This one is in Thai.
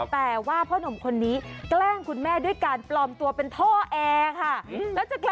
แต่ว่าพ่อหนุ่มคนนี้แกล้งคุณแม่ด้วยการปลอมตัวเป็นท่อแอร์ค่ะ